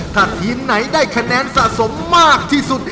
ถ้าทีมไหนได้คะแนนสะสมมากที่สุด